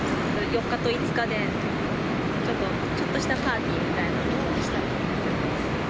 ４日と５日で、ちょっとしたパーティーみたいなのをしたいと思います。